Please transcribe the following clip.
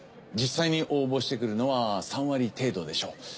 実際に応募してくるのは３割程度でしょう。